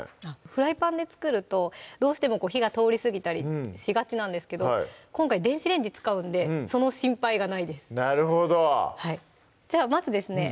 フライパンで作るとどうしても火が通りすぎたりしがちなんですけど今回電子レンジ使うんでその心配がないですなるほどじゃあまずですね